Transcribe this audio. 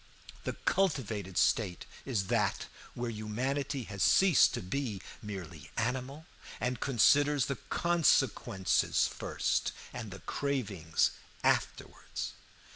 The cultivated state is that where humanity has ceased to be merely animal, and considers the consequences first and the cravings afterwards.